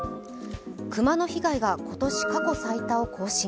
熊の被害が今年、過去最多を更新。